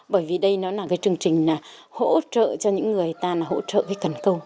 bởi vì đây nó là cái chương trình hỗ trợ cho những người ta hỗ trợ cái cần cầu